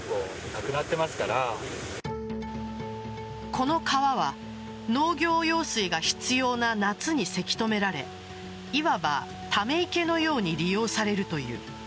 この川は農業用水が必要な夏にせき止められいわばため池のように利用されるという。